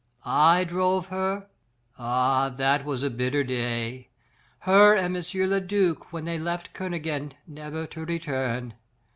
I drove her ah! that was a bitter day! her and M. le duc when they left Kernogan never to return.